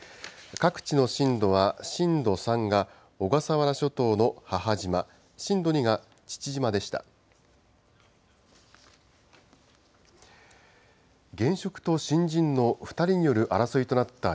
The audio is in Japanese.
各地の震度は、震度３が小笠原諸島の母島、震度２が父島でした。